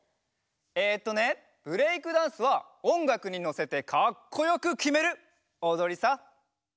えっとねブレイクダンスはおんがくにのせてかっこよくきめるおどりさ。